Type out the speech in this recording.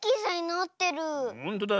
ほんとだ。